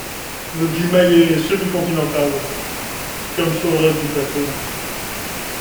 Le climat y est semi-continental, comme sur le reste du plateau.